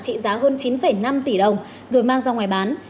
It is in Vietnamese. trị giá hơn chín năm tỷ đồng rồi mang ra ngoài bán